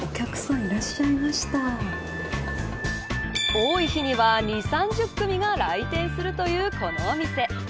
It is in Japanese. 多い日には２０、３０組が来店するというこの店。